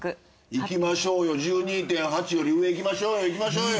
いきましょうよ１２．８より上いきましょういきましょうよ。